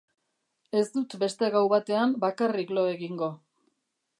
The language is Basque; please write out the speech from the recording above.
Ez dut beste gau batean bakarrik lo egingo.